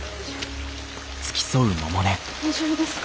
大丈夫ですか？